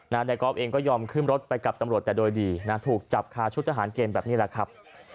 นายกอล์ฟเองก็ยอมขึ้นรถไปกับตำรวจแต่โดยดีนะถูกจับคาชุดทหารเกณฑ์แบบนี้แหละครับ